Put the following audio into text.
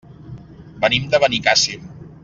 Venim de Benicàssim.